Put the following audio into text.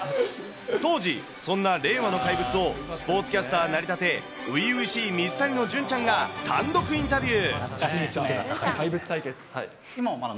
当時、そんな令和の怪物をスポーツキャスターなりたて、ういういしい水谷の隼ちゃんが単独インタビュー。